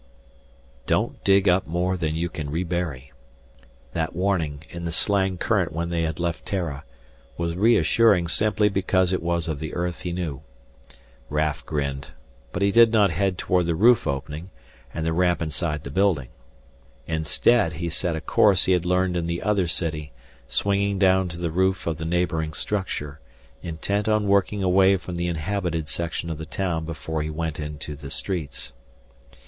"Don't dig up more than you can rebury." That warning, in the slang current when they had left Terra, was reassuring simply because it was of the earth he knew. Raf grinned. But he did not head toward the roof opening and the ramp inside the building. Instead he set a course he had learned in the other city, swinging down to the roof of the neighboring structure, intent on working away from the inhabited section of the town before he went into the streets.